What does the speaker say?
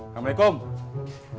ya tapi aku mau makan